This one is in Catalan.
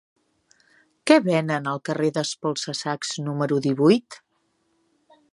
Què venen al carrer d'Espolsa-sacs número divuit?